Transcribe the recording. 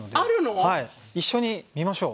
はい一緒に見ましょう。